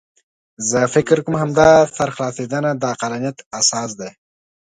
زه فکر کوم همدا سرخلاصېدنه د عقلانیت اساس دی.